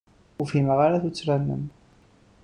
Ur fhimeɣ ara tuttra-nnem.